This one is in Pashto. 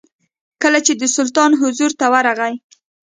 کله چې د سلطان حضور ته ورغی.